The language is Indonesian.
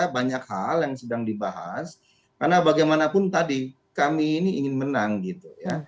banyak hal yang sedang dibahas karena bagaimanapun tadi kami ini ingin menang gitu ya